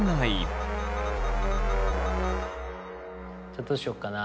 じゃあどうしよっかな。